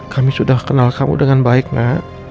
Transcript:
kami sudah kenal kamu dengan baik nak